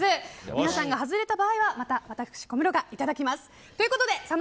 皆さんが外れた場合はまた私、小室がいただきます。